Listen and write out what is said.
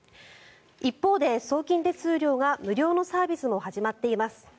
一方で、送金手数料が無料のサービスも始まっています。